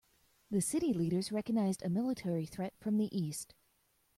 The city leaders recognized a military threat from the east.